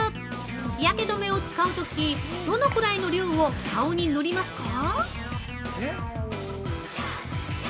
日焼け止めを使うときどのくらいの量を顔に塗りますか。